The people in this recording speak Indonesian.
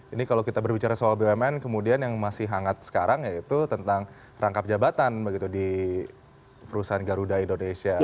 ini kalau kita berbicara soal bumn kemudian yang masih hangat sekarang yaitu tentang rangkap jabatan begitu di perusahaan garuda indonesia